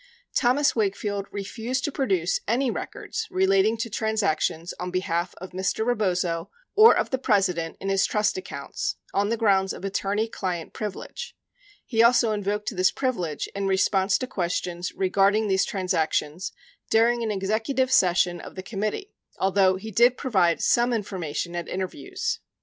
73 Thomas Wakefield refused to pro duce any records relating to transactions on behalf of Mr. Rebozo or of the President in his trust accounts on the grounds of attorney client privilege. 74 He also invoked this privilege in response to questions re garding these transactions during an executive session of the com mittee, although he did provide some information at interviews.